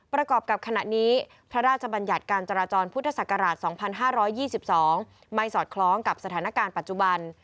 ประกอบกับขณะนี้พระราชบัญญัติการจราจรพุทธศักราช๒๕๒๒ไม่สอดคล้องกับสถานการณ์ปัจจุบัน